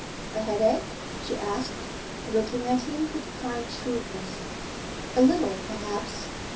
'A headache?' she asked, looking at him with kind shrewdness. 'A little, perhaps.'